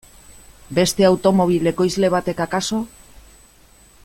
Beste automobil ekoizle batek akaso?